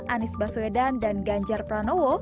anies baswedan dan ganjar pranowo